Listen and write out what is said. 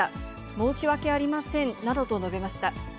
申し訳ありませんなどと述べました。